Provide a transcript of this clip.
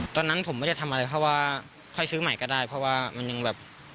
ตอนนั้นผมไม่ได้ทำอะไรเพราะว่าค่อยซื้อใหม่ก็ได้เพราะว่ามันยังแบบ